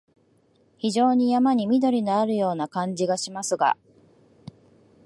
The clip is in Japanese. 非常に山に縁のあるような感じがしますが、